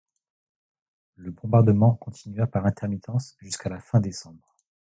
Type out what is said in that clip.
Le bombardement continua par intermittence jusqu'à la fin décembre.